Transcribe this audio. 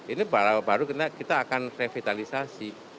ini baru kita akan revitalisasi